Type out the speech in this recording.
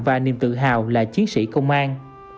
và niềm tự hào là chiến sĩ công an